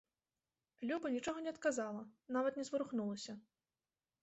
Люба нічога не адказала, нават не зварухнулася.